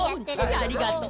ありがとう。